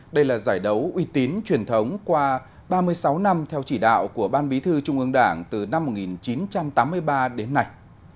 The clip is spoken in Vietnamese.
đây là giải đấu uy tín truyền thống qua ba mươi sáu năm theo chỉ đạo của ban bí thư trung ương đảng từ năm một nghìn chín trăm tám mươi ba đến nay